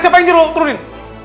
siapa yang dirumah turunin